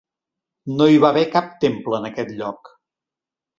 No hi va haver cap temple en aquest lloc.